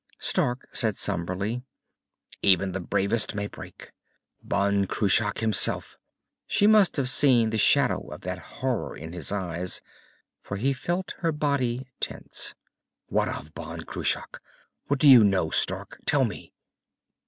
Stark said somberly, "Even the bravest may break. Ban Cruach himself...." She must have seen the shadow of that horror in his eyes, for he felt her body tense. "What of Ban Cruach? What do you know, Stark? Tell me!"